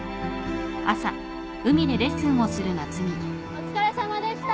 お疲れさまでした！